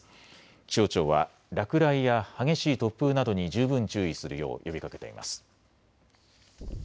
気象庁は落雷や激しい突風などに十分注意するよう呼びかけています。